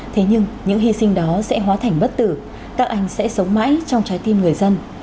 thế nhưng những hy sinh đó sẽ hóa thành bất tử các anh sẽ sống mãi trong trái tim người dân